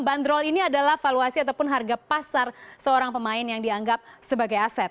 bandrol ini adalah valuasi ataupun harga pasar seorang pemain yang dianggap sebagai aset